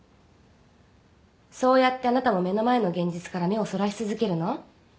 そうやってあなたも目の前の現実から目をそらし続けるの？